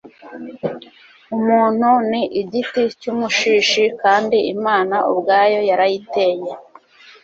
Umuntu ni igiti cyumushishi kandi Imana ubwayo yarayiteye